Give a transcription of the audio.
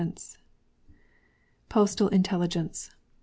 POSTAL INTELLIGENCE.